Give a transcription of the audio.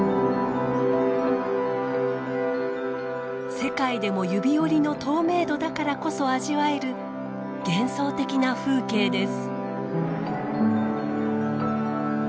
世界でも指折りの透明度だからこそ味わえる幻想的な風景です。